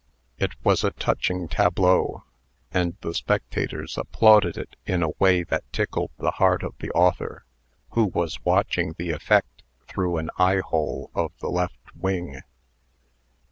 It was a touching tableau, and the spectators applauded it In a way that tickled the heart of the author, who was watching the effect through an eyehole of the left wing.